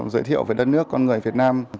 giới thiệu về đất nước con người việt nam